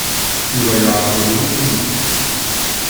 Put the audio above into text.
Yuba yerḍel win-inu.